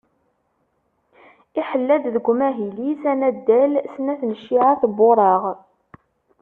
Iḥella-d deg umahil-is anaddal snat n cciεat n wuraɣ.